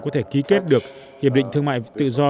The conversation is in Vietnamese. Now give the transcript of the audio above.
có thể ký kết được hiệp định thương mại tự do